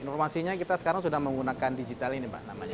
informasinya kita sekarang sudah menggunakan digital ini mbak namanya